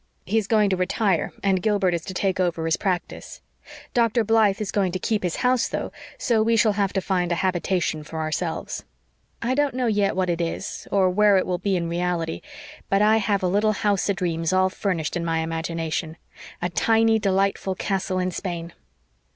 He is going to retire, and Gilbert is to take over his practice. Dr. Blythe is going to keep his house, though, so we shall have to find a habitation for ourselves. I don't know yet what it is, or where it will be in reality, but I have a little house o'dreams all furnished in my imagination a tiny, delightful castle in Spain."